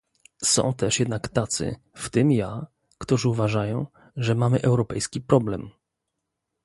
Są też jednak tacy, w tym ja, którzy uważają, że mamy europejski problem